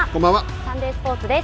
サンデースポーツです。